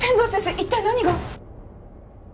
一体何が？